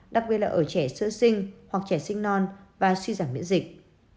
đặc biệt là ở trẻ sơ sinh hoặc trẻ sinh non và suy giảm miễn dịch